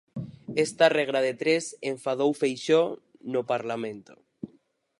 Esta regra de tres enfadou Feixóo no Parlamento.